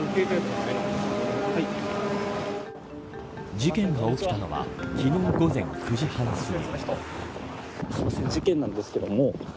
事件が起きたのは昨日午前９時半すぎ。